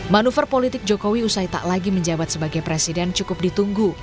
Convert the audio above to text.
manuver politik jokowi usai tak lagi menjabat sebagai presiden cukup ditunggu